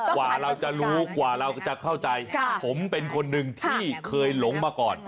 กว่าเราจะรู้กว่าเราจะเข้าใจผมเป็นคนหนึ่งที่เคยหลงมาก่อน